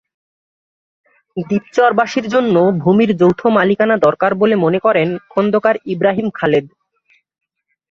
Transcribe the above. দ্বীপচরবাসীর জন্য ভূমির যৌথ মালিকানা দরকার বলে মনে করেন খোন্দকার ইব্রাহীম খালেদ।